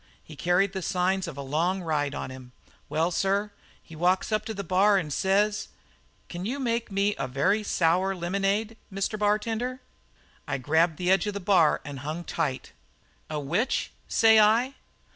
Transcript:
He carried the signs of a long ride on him. Well, sir, he walks up to the bar and says: 'Can you make me a very sour lemonade, Mr. Bartender?' "I grabbed the edge of the bar and hung tight. "'A which?' says I.